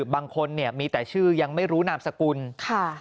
บางคนมีแต่ชื่อยังไม่รู้นามสกุลใช่